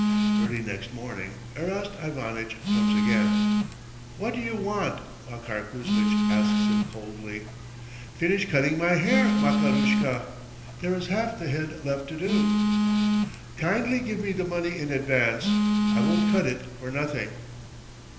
Early next morning Erast Ivanitch comes again. "What do you want?" Makar Kuzmitch asks him coldly. "Finish cutting my hair, Makarushka. There is half the head left to do." "Kindly give me the money in advance. I won't cut it for nothing."